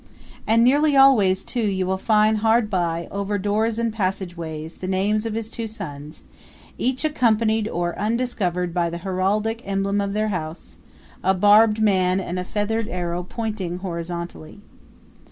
And nearly always, too, you will find hard by, over doors and passageways, the names of his two sons, each accompanied or underscored by the heraldic emblem of their house a barbed and feathered arrow pointing horizontally.